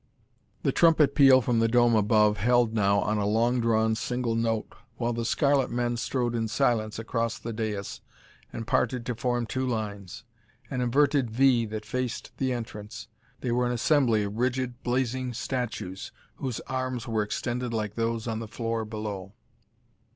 The trumpet peal from the dome above held now on a long drawn, single note, while the scarlet men strode in silence across the dais and parted to form two lines. An inverted "V" that faced the entrance they were an assembly of rigid, blazing statues whose arms were extended like those on the floor below.